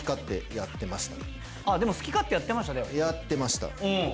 やってました。